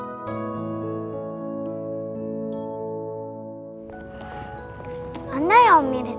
nah itu temen temennya om mirza